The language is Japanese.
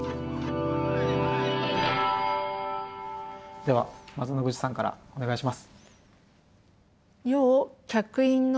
ではまず野口さんからお願いします。